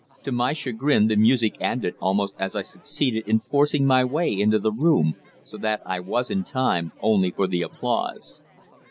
To my chagrin the music ended almost as I succeeded in forcing my way into the room, so that I was in time only for the applause.